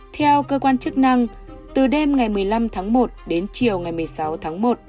theo cơ quan chức năng từ đêm ngày một mươi năm tháng một đến chiều ngày một mươi sáu tháng một